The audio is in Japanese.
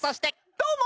どうも。